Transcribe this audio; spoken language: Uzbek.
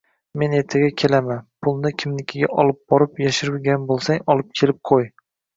Men ertaga kelaman, pulni kimnikiga olib borib, yashirgan bo`lsang, olib kelib qo`y